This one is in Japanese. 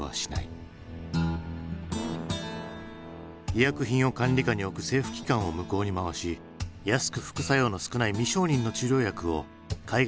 医薬品を管理下に置く政府機関を向こうに回し安く副作用の少ない未承認の治療薬を海外から密輸入。